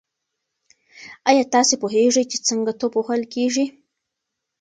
ایا تاسي پوهېږئ چې څنګه توپ وهل کیږي؟